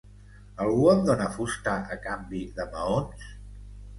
Algú em dona fusta a canvi de maons?